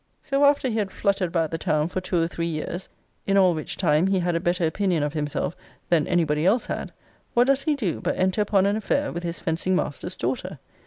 So, after he had fluttered about the town for two or three years, in all which time he had a better opinion of himself than any body else had, what does he do, but enter upon an affair with his fencing master's daughter?